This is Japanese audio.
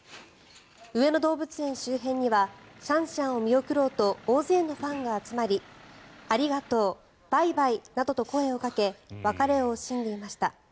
上野動物園周辺にはシャンシャンを見送ろうと大勢のファンが集まりありがとうバイバイなどと声をかけ別れを惜しんでいました。